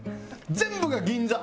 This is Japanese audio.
全部が銀座。